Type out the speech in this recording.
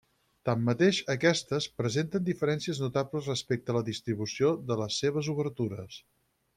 Tanmateix aquestes, presenten diferències notables respecte a la distribució de les seves obertures.